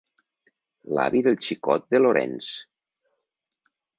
L'avi del xicot de Laurence!